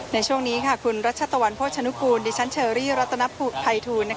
ในช่วงนี้คุณรัชตะวันโภชนุกูลดิฉันเชอรี่รัตนภัยทูล